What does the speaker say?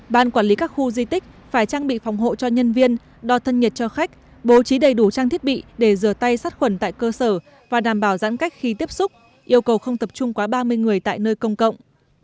ban quản lý các khu di tích phải trang bị phòng hộ cho nhân viên đo thân nhiệt cho khách bố trí đầy đủ trang thiết bị để rửa tay sát khuẩn tại cơ sở và đảm bảo giãn cách khi tiếp xúc yêu cầu không tập trung quá ba mươi người tại nơi công cộng